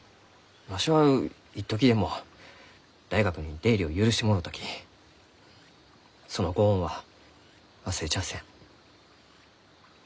わしは一時でも大学に出入りを許してもろうたきそのご恩は忘れちゃあせん。